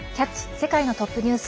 世界のトップニュース」。